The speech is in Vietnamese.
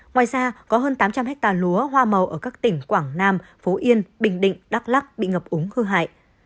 ngoài ra có hơn tám trăm linh hectare lúa hoa màu ở các tỉnh quảng nam phú yên bình định đắk lắc bị ngập úng hư hại